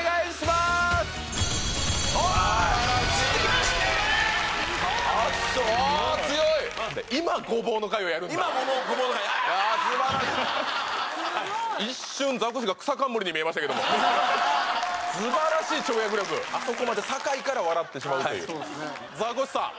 すばらしい跳躍力あそこまで高いから笑ってしまうというザコシさん